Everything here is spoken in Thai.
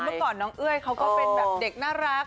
เมื่อก่อนน้องเอ้ยเขาก็เป็นแบบเด็กน่ารัก